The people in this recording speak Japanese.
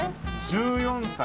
１４歳。